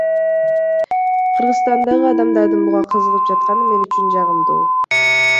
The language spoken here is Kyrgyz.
Кыргызстандагы адамдардын буга кызыгып жатканы мен үчүн жагымдуу.